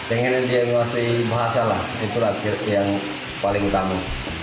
ingin dia menguasai bahasa lah itu lah yang paling utama